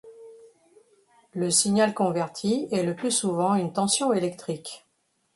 Le signal converti est le plus souvent une tension électrique.